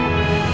aku mau ke rumah